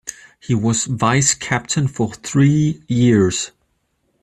He was vice-captain for three years.